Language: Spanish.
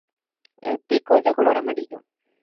El pico es de color amarillo.